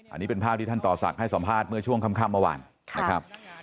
อันนี้เป็นภาพที่ท่านต่อศักดิ์ให้สัมภาษณ์เมื่อช่วงค่ำเมื่อวานนะครับ